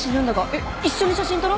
えっ一緒に写真撮ろ。